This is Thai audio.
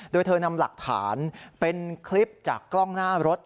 โดยเธอนำหลักฐานเป็นคลิปจากกล้องหน้ารถ